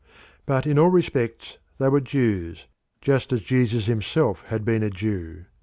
But in all respects they were Jews, just as Jesus himself had been a Jew.